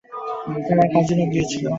আমার কাজিনও গিয়েছিল!